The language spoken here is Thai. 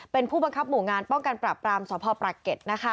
เป็นผู้บังคับหมู่งานป้องกันปราบปรามสพปรักเก็ต